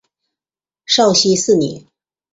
绍熙四年。